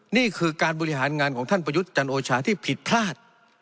นี่คือการบริหารงานของท่านประยุทธ์จันโอชาที่ผิดพลาด